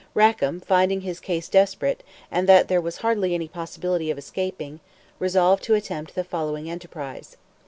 Rackam finding his case desperate, and that there was hardly any possibility of escaping, resolved to attempt the following enterprise.